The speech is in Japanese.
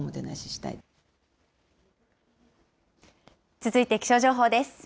続いて気象情報です。